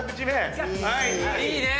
いいね！